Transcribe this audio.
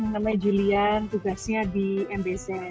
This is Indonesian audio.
namanya julian tugasnya di mbz